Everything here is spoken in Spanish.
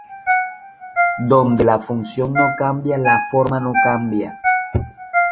Dónde la función no cambia, la forma no cambia.